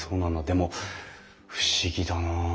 でも不思議だな。